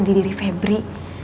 di diri febri